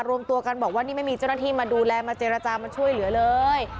รวมตัวกันบอกว่านี่ไม่มีเจ้าหน้าที่มาดูแลมาเจรจามาช่วยเหลือเลย